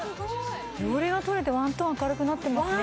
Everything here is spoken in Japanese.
汚れが取れてワントーン明るくなってますね